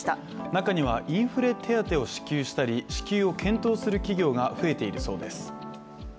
中にはインフレ手当を支給したり、支給を検討する企業が増えているそうです。